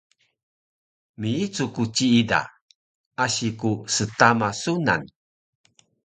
Miicu ku ciida, asi ku stama sunan